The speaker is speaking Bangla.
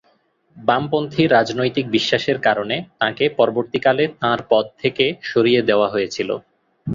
বামপন্থী রাজনৈতিক বিশ্বাসের কারণে তাঁকে পরবর্তীকালে তাঁর পদ থেকে সরিয়ে দেওয়া হয়েছিল।